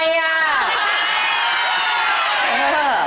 ดีไหม